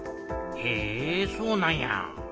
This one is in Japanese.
へえそうなんや。